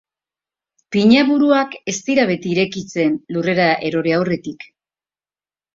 Pinaburuak ez dira beti irekitzen lurrera erori aurretik.